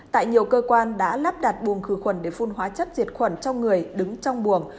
tại nhiều cơ quan đã lắp đặt buồng khử khuẩn để phun hóa chất diệt khuẩn cho người đứng trong buồng